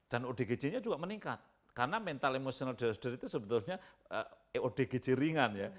dan oggc nya juga meningkat karena mental emotional disorder itu sebetulnya oggc ringan ya